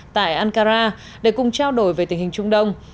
tại ankara để cùng trao đổi về tình hình trung đông